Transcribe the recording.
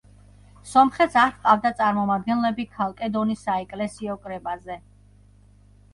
სომხეთს არ ჰყავდა წარმომადგენლები ქალკედონის საეკლესიო კრებაზე.